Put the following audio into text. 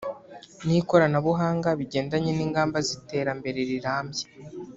n’ikoranabuhanga bigendanye n’ingamba z’iterambere rirambye